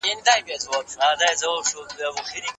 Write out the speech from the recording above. کشکي ستا پر لوڅ بدن وای ځلېدلی